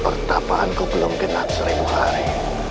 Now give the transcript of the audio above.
pertapaanku belum genap seribu hari